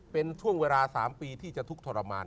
เป็นช่วงเวลา๓ปีที่จะทุกข์ทรมาน